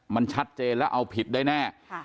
มันชัดเจนแล้วเอาผิดได้แน่